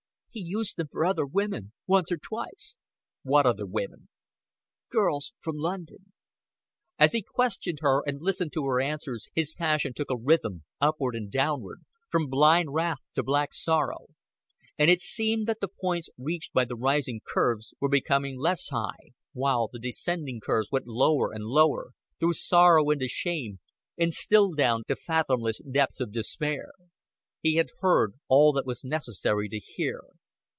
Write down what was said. "He used them for other women once or twice." "What other women?" "Girls from London." As he questioned her and listened to her answers his passion took a rhythm, upward and downward, from blind wrath to black sorrow; and it seemed that the points reached by the rising curves were becoming less high, while the descending curves went lower and lower, through sorrow into shame, and still down, to fathomless depths of despair. He had heard all that it was necessary to hear.